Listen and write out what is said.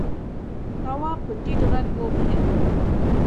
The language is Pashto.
تواب په ټيټ غږ وويل: